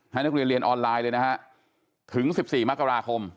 ให้นักเรียนเรียนออนไลน์เลยถึง๑๔มักราคม